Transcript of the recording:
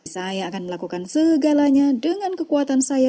saya akan melakukan segalanya dengan kekuatan saya